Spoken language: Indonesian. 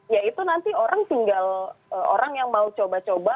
ya itu nanti orang tinggal orang yang mau coba coba